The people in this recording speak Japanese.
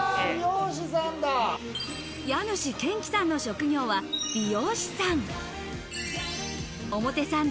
家主・賢毅さんの職業は美容師さん。